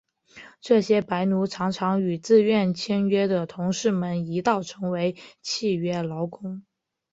这些白奴常常与自愿签约的同事们一道成为契约劳工。